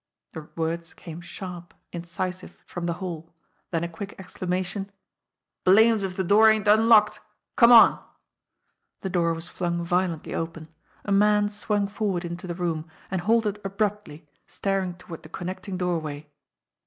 The words came sharp, incisive, from the hall; then a quick exclamation: "Blamed if the door ain't unlocked ! Come on !" The door was flung violently open. A man swung for ward into the room and halted abruptly, staring toward the connecting doorway.